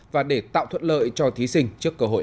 và để tạo thuận lợi cho thí sinh trước cơ hội